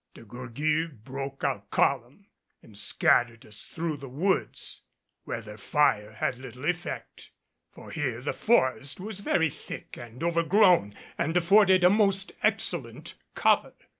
De Gourgues broke our column and scattered us through the woods, where their fire had little effect; for here the forest was very thick and overgrown and afforded a most excellent cover.